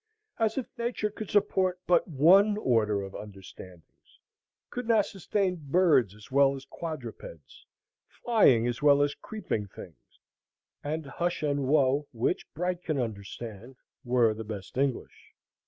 As if Nature could support but one order of understandings, could not sustain birds as well as quadrupeds, flying as well as creeping things, and hush and who, which Bright can understand, were the best English.